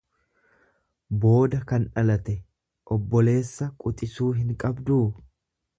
booda kan dhalate; Obboleessa quxisuu hin qabduu?